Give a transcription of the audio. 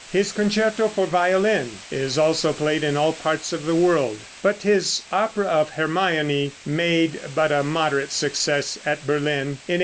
His concerto for violin is also played in all parts of the world, but his opera of "Hermione" made but a moderate success at Berlin in 1872.